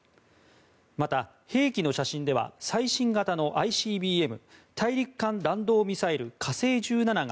また、兵器の写真では最新型のＩＣＢＭ・大陸間弾道ミサイル火星１７が